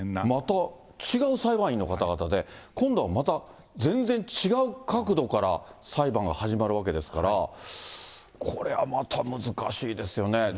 また違う裁判員の方々で、今度はまた全然違う角度から裁判が始まるわけですから、これはまた難しいですよね。